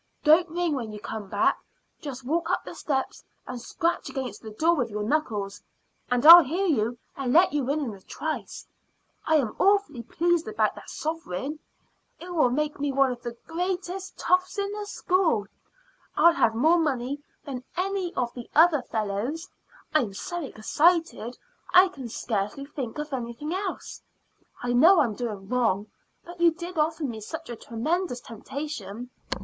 Don't ring when you come back; just walk up the steps and scratch against the door with your knuckles, and I'll hear you and let you in in a trice. I am awfully pleased about that sovereign; it will make me one of the greatest toffs in the school. I'll have more money than any of the other fellows. I'm so excited I can scarcely think of anything else. I know I'm doing wrong, but you did offer me such a tremendous temptation.